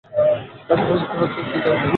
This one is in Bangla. আশেপাশে কী হচ্ছে তা কি জানো তুমি?